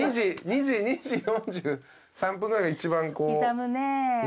２時４３分ぐらいが一番こうね。